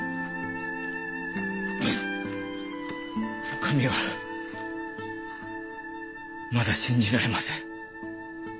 お上はまだ信じられません。